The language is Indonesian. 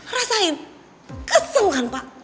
rasain kesel kan pak